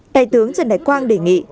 đại tướng trần đại quang đề nghị